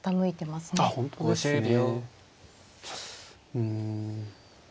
うん。